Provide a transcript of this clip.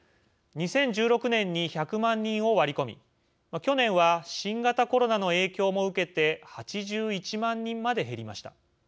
２０１６年に１００万人を割り込み去年は新型コロナの影響も受けて８１万人まで減りました。